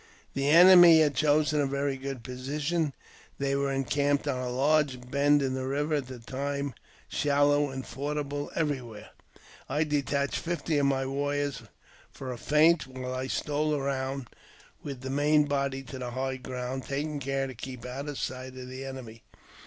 The enemy had chosen a very good position ; they were encamped on a large bend of the river, at that time shallow and fordable everywhere. I detached fifty of my warriors for a feint, while I stole round with the main body to the high ground, taking care to keep out of sight of the enemy.